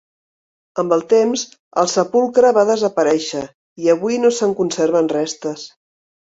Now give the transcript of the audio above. Amb el temps, el sepulcre va desaparèixer i avui no se’n conserven restes.